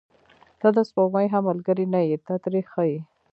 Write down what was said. • ته د سپوږمۍ هم ملګرې نه یې، ته ترې ښه یې.